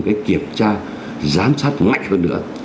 cái kiểm tra giám sát mạnh hơn nữa